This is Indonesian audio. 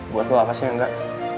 buat lo apa sih yang enggak